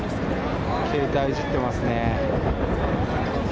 携帯いじってますね。